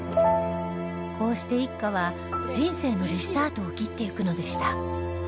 こうして一家は人生のリスタートを切っていくのでした